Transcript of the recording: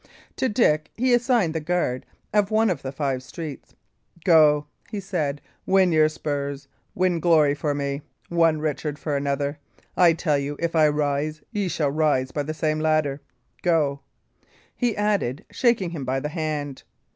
To Dick he assigned the guard of one of the five streets. "Go," he said, "win your spurs. Win glory for me: one Richard for another. I tell you, if I rise, ye shall rise by the same ladder. Go," he added, shaking him by the hand.